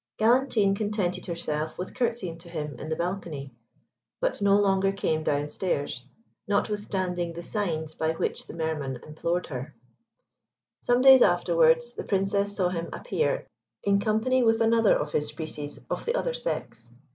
Galantine contented herself with curtseying to him in the balcony; but no longer came down stairs, notwithstanding the signs by which the Mer man implored her. Some days afterwards, the Princess saw him appear in company with another of his species of the other sex.